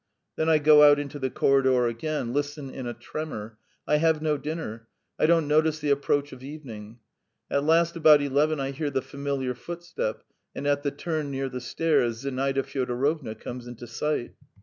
Then I go out into the corridor again, listen in a tremor. ... I have no dinner; I don't notice the approach of evening. At last about eleven I hear the familiar footstep, and at the turn near the stairs Zinaida Fyodorovna comes into sight.